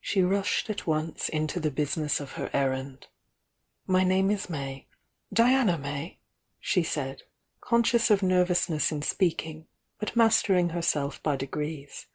She rushed at once into the business of her errand. "My name is May, — Diana May," she said, con scious of nervousness in speaking, but mastering herself by degrees.